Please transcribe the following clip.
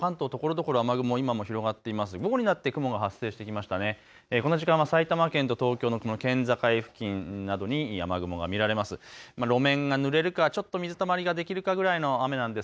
この時間は埼玉県と東京の県境付近などに雨雲が見られます。